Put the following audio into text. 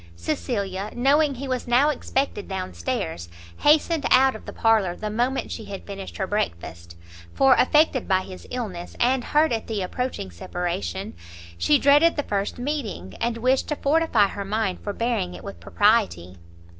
Cecilia, knowing he was now expected down stairs, hastened out of the parlour the moment she had finished her breakfast; for affected by his illness, and hurt at the approaching separation, she dreaded the first meeting, and wished to fortify her mind for bearing it with propriety.